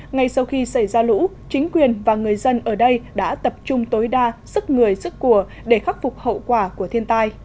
ngay sau khi xảy ra lũ chính quyền và người dân ở đây đã tập trung tối đa sức người sức của để khắc phục hậu quả của thiên tai